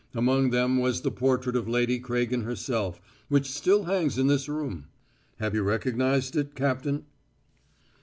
Among them was the portrait of Lady Craigen herself which still hangs in this room. Have you recognized it, Captain?"